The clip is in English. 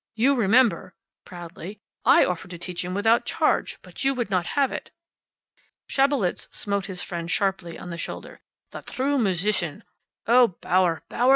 You remember" proudly "I offered to teach him without charge, but you would not have it." Schabelitz smote his friend sharply on the shoulder "The true musician! Oh, Bauer, Bauer!